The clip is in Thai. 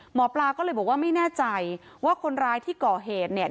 หมอปลาก็เลยบอกว่าไม่แน่ใจว่าคนร้ายที่ก่อเหตุเนี่ย